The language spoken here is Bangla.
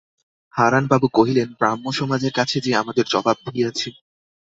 হারানবাবু কহিলেন, ব্রাহ্মসমাজের কাছে যে আমাদের জবাবদিহি আছে।